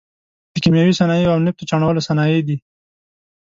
د کیمیاوي صنایعو او نفتو چاڼولو صنایع دي.